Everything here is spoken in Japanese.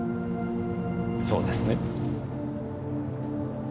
そうですね？